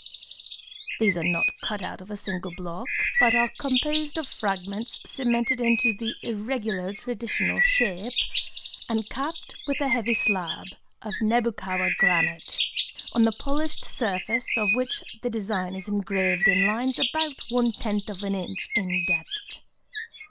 These are not cut out of a single block, but are composed of fragments cemented into the irregular traditional shape, and capped with a heavy slab of Nebukawa granite, on the polished surface of which the design is engraved in lines about one tenth of an inch in depth.